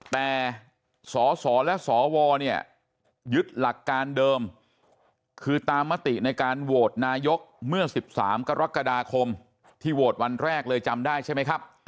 แต่สสและสวเนี่ยยึดหลักการเดิมคือตามมติในการโหวตนายกเมื่อ๑๓กรกฎาคมที่โหวตวันแรกเลยจำได้ใช่ไหมครับ